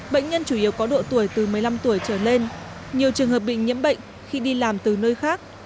bệnh nhân chủ yếu có độ tuổi từ một mươi năm tuổi trở lên nhiều trường hợp bị nhiễm bệnh khi đi làm từ nơi khác